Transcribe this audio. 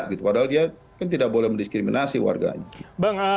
padahal dia kan tidak boleh mendiskriminasi warganya